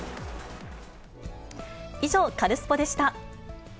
以上、カルスポっ！でした。